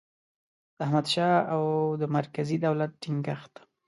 د احمدشاه او د مرکزي دولت ټینګیښت